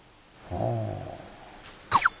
ああ。